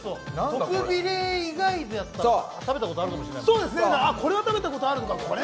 トクビレ以外だったら食べたことあるかもしれない。